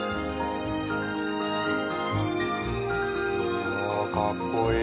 うわあかっこいい。